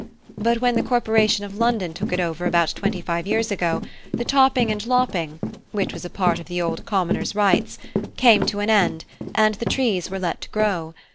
But when the Corporation of London took it over about twenty five years ago, the topping and lopping, which was a part of the old commoners' rights, came to an end, and the trees were let to grow.